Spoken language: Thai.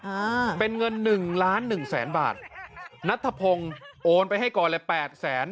อ่าเป็นเงินหนึ่งล้านหนึ่งแสนบาทนัทธพงศ์โอนไปให้ก่อนเลยแปดแสน